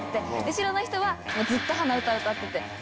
後ろの人はずっと鼻歌歌ってて。